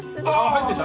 入ってた？